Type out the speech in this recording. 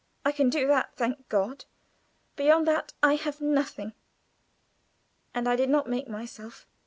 I can do that, thank God! Beyond that I have nothing, and I did not make myself."